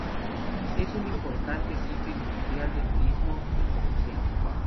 Es un importante sitio industrial, de turismo y comercial.